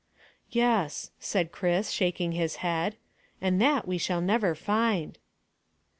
"Yes," said Chris, shaking his head; "and that we shall never find."